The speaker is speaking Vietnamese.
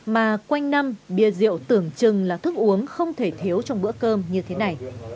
mà quanh năm bia rượu tưởng chừng là thức uống không thể thiếu trong bữa cơm như thế này